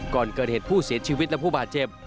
ก่อนเกิดเหตุผู้เสียชีวิตและผู้บาดเจ็บ